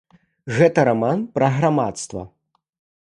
Гэта раман пра грамадства.